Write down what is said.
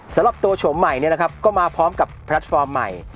สำหรับตัวโฉมใหม่ก็มาพร้อมกับแพลตฟอร์มใหม่